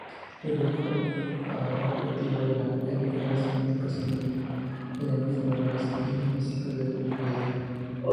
El grupo objetivo de la LfA son empresas medianas, fundadores y municipios de Baviera.